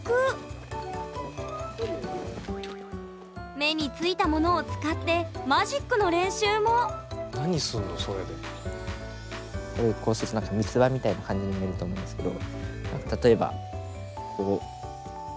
目についたものを使ってマジックの練習もこうしてると何か三つ葉みたいな感じに見えると思うんですけど。